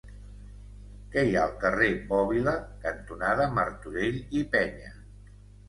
Què hi ha al carrer Bòbila cantonada Martorell i Peña?